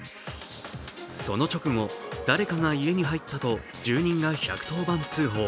その直後、誰かが家に入ったと住人が１１０番通報。